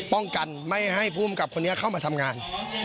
ป้องกันไม่ให้ผู้อำกับคนนี้เข้ามาทำงาน